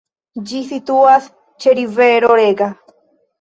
Ĝi situas ĉe rivero Rega.